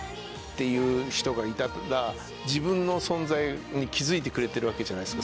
いう人がいたら自分の存在に気付いてくれてるわけじゃないですか。